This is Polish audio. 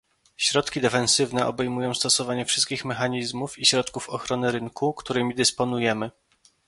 Środki defensywne obejmują stosowanie wszystkich mechanizmów i środków ochrony rynku, którymi dysponujemy